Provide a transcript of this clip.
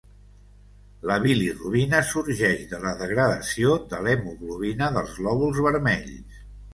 La bilirubina sorgeix de la degradació de l'hemoglobina dels glòbuls vermells.